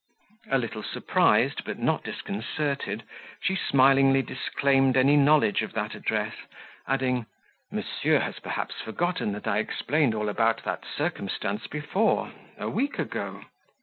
A little surprised, but not disconcerted, she smilingly disclaimed any knowledge of that address, adding, "Monsieur has perhaps forgotten that I explained all about that circumstance before a week ago?"